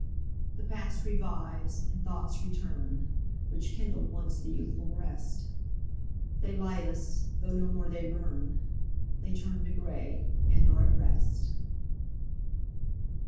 The past revives, and thoughts return, Which kindled once the youthful breast; They light us, though no more they burn, They turn to grey and are at rest.